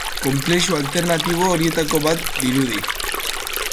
Konplexu alternatibo horietako bat dirudi.